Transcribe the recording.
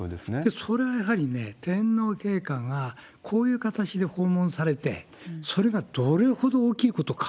それはやはりね、天皇陛下がこういう形で訪問されて、それがどれほど大きいことか。